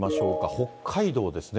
北海道ですね。